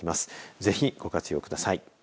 ぜひ、ご活用ください。